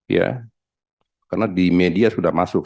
ya karena di media sudah masuk